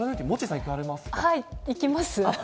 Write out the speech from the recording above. はい、行きます。